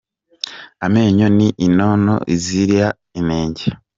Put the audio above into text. Amenyo ni inono izira inenge